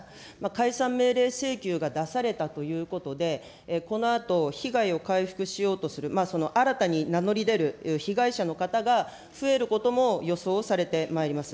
解散命令請求が出されたということで、このあと、被害を回復しようとする、新たに名乗り出る被害者の方が増えることも予想されてまいります。